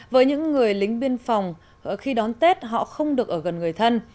với những người lính biên phòng khi đón tết họ không được ở gần người thân